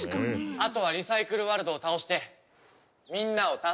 あとはリサイクルワルドを倒してみんなを助けるだけ。